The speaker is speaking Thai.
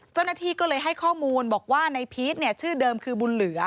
เจ้าหน้าที่ก็เลยให้ข้อมูลบอกว่าในพีชชื่อเดิมคือบุญเหลือ